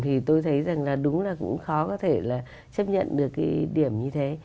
thì tôi thấy rằng là đúng là cũng khó có thể là chấp nhận được cái điểm như thế